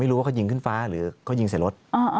รู้ว่าเขายิงขึ้นฟ้าหรือเขายิงใส่รถ